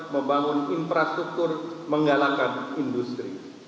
membangun infrastruktur menggalakkan industri